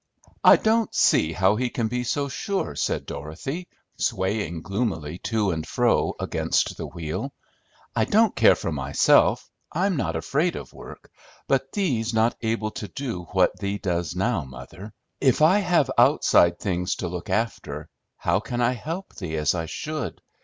"I don't see how he can be so sure," said Dorothy, swaying gloomily to and fro against the wheel. "I don't care for myself, I'm not afraid of work, but thee's not able to do what thee does now, mother. If I have outside things to look after, how can I help thee as I should?